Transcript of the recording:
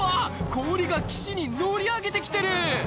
氷が岸に乗り上げて来てる！